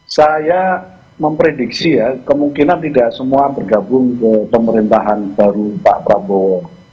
saya memprediksi ya kemungkinan tidak semua bergabung ke pemerintahan baru pak prabowo